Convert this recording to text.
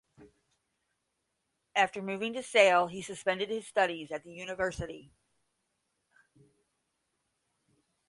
After moving to Sale, he suspended his studies at the University.